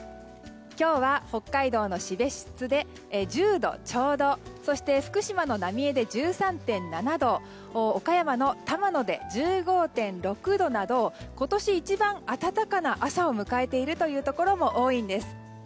今日は北海道の標津で１０度ちょうどそして、福島の浪江で１３．７度岡山の玉野で１５．６度など今年一番の暖かさを迎えているところも多いんです。